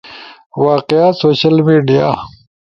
واقعات، سوشل میڈیا